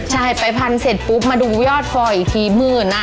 ใช่ไปพันเสร็จปุ๊บมาดูยอดฟอลอีกทีหมื่น